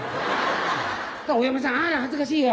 そしたらお嫁さん「あ恥ずかしいわ」